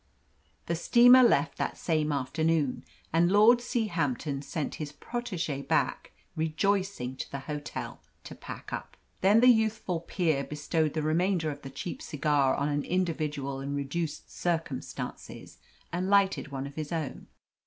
The steamer left that same afternoon, and Lord Seahampton sent his protege back rejoicing to the hotel to pack up. Then the youthful peer bestowed the remainder of the cheap cigar on an individual in reduced circumstances and lighted one of his own.